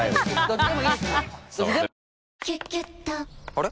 あれ？